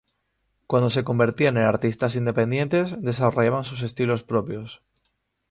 Cuando se convertían en artistas independientes desarrollaban sus estilos propios.